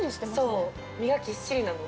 そう身がぎっしりなの。